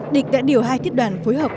địch đã điều hai thiết đoàn phối hợp